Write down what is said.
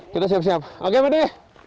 kita siap siap oke mada